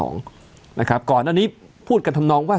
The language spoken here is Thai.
ก่อนอันนี้พูดกันทำนองว่า